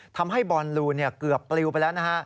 ทำให้บอลลูนเกือบปลิวไปแล้วนะฮะ